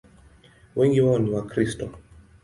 Wengi wao ni Wakristo.